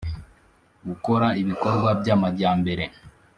Gukora ibikorwa by amajyambere